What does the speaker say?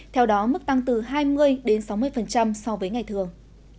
theo đó mức tăng từ hai mươi đến sáu mươi so với ngày thường